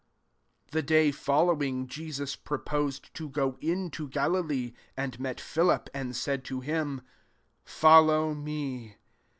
t 43 The day following, Jesus purposed to go into Galilee; and met Philip, and said to him, " Follow me."